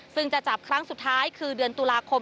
ซึ่งจะจับครั้งสุดท้ายคือเดือนตุลาคม